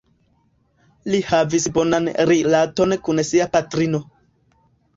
Li havis bonan rilaton kun sia patrino.